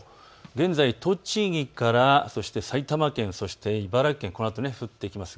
現在、栃木から埼玉県、茨城県、このあと降ってきます。